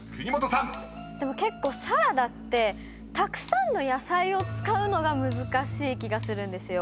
でも結構サラダってたくさんの野菜を使うのが難しい気がするんですよ。